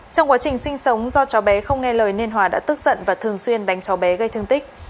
trong quá trình sinh sống do cháu bé không nghe lời nên hòa đã tức giận và thường xuyên đánh cháu bé gây thương tích